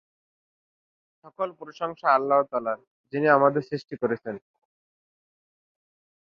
এই সন্ধানী যানটি বেশ কয়েকবার বুধের সন্নিকটে যেতে সমর্থ হবে বলে মনে করা হচ্ছে।